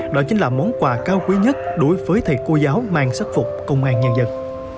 đó chính là món quà cao quý nhất đối với thầy cô giáo mang sắc phục công an nhân dân